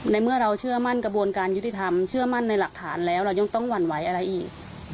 เมื่อเราเชื่อมั่นกระบวนการยุติธรรมเชื่อมั่นในหลักฐานแล้วเรายังต้องหวั่นไหวอะไรอีก